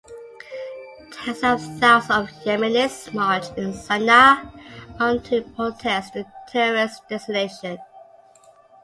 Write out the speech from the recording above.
Tens of thousands of Yemenis marched in Sanaa on to protest the terrorist designation.